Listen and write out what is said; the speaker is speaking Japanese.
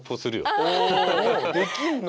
できんの？